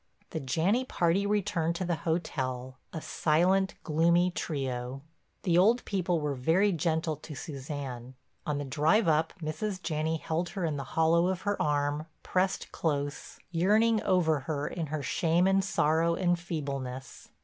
The Janney party returned to the hotel, a silent, gloomy trio. The old people were very gentle to Suzanne. On the drive up, Mrs. Janney held her in the hollow of her arm, pressed close, yearning over her in her shame and sorrow and feebleness.